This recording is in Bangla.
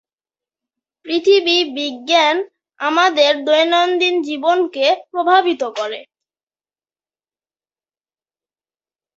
পৃথিবী বিজ্ঞান আমাদের দৈনন্দিন জীবনকে প্রভাবিত করে।